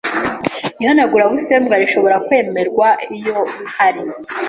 Ihanagurabusembwa rishobora kwemerwa iyo hari